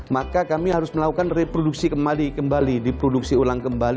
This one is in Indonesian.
maka kami harus melakukan reproduksi kembali diproduksi ulang kembali